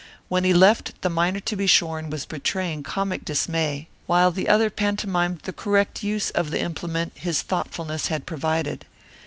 When he left the miner to be shorn was betraying comic dismay while the other pantomimed the correct use of the implement his thoughtfulness had provided.